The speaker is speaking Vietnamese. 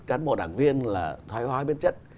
cán bộ đảng viên là thoái hóa biên chất